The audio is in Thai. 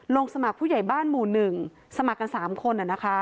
ลงสมัครผู้ใหญ่บ้านหมู่๑สมัครกัน๓คน